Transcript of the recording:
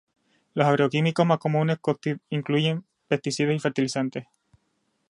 Los agroquímicos más comunes incluyen pesticidas y fertilizantes.